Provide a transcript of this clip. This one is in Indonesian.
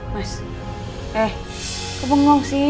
mas eh aku bengong sih